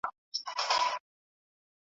لوی او کم نارې وهلې په خنداوه ,